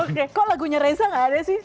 oke kok lagunya reza gak ada sih